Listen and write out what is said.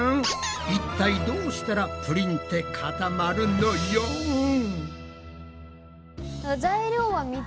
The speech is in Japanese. いったいどうしたらプリンって固まるのよん？